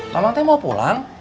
mamang teh mau pulang